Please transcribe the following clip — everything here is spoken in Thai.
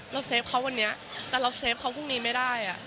เซฟเขาวันนี้แต่เราเฟฟเขาพรุ่งนี้ไม่ได้